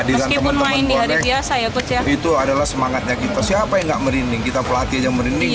itu adalah semangatnya kita siapa yang gak merinding kita pelatih yang merinding